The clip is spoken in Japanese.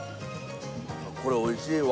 これおいしいわ。